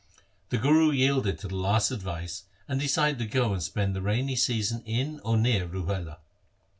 The Guru yielded to the last advice, and decided to go and spend the rainy season in or near Ruhela.